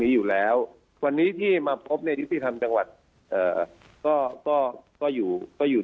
อยู่แล้ววันนี้ที่มาพบในยุติธรรมจังหวัดเอ่อก็ก็อยู่ก็อยู่